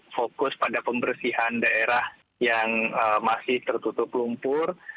fokus pada pembersihan daerah yang masih tertutup lumpur